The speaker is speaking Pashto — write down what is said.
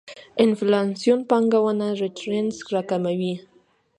انفلاسیون پانګونه ريټرنز راکموي.